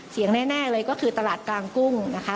แน่เลยก็คือตลาดกลางกุ้งนะคะ